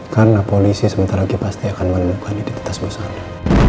karena polisi sementara lagi pasti akan menemukan identitas bos anda